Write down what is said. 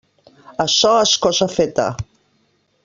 Açò és cosa feta.